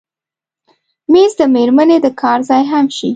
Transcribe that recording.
مېز د مېرمنې د کار ځای هم شي.